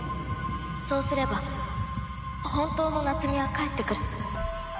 そうすれば本当の夏美は帰ってくる。